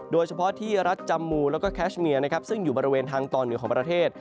โดยเฉพาะที่รัฐจำมูแล้วก็แคชเมียนะครับซึ่งอยู่บริเวณทางตอนเหนือของประเทศ